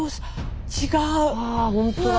あ本当だ。